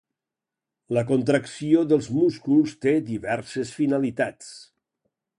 La contracció dels músculs té diverses finalitats.